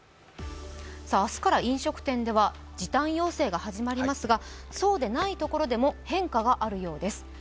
明日から飲食店では時短要請が始まりますがそうでないところでも変化があるようです。